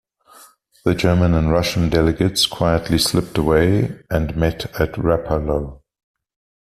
The German and Russian delegates quietly slipped away and met at Rapallo.